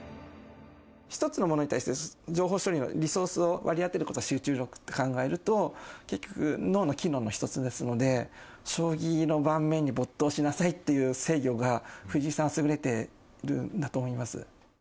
一つのものに対して情報処理のリソースを割り当てることを集中力って考えると、結局、脳の機能の一つですので、将棋の盤面に没頭しなさいっていう制御が、藤井さんは優れているんだと思います。